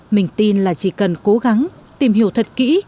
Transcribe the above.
mình tin là chỉ cần cố gắng tìm hiểu thật kỹ